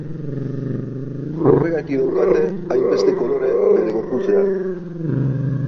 Horregatik daukate hainbeste kolore bere gorputzean.